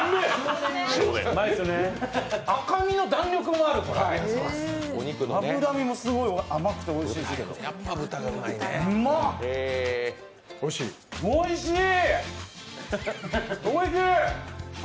赤身の弾力もある、脂身も甘くておいしいですけど、うまっ、おいしい。